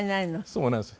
そうなんです。